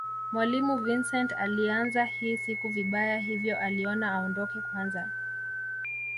Mwalimu Vincent aliianza hii siku vibaya hivyo aliona aondoke kwanza